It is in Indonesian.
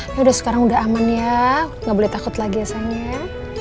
yaudah sekarang udah aman ya gak boleh takut lagi ya sayangnya